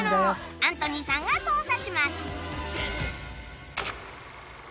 アントニーさんが操作します